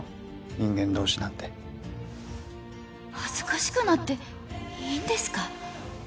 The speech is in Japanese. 人間同士なんて恥ずかしくなっていいんですか？